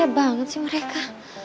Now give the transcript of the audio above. rasa banget sih mereka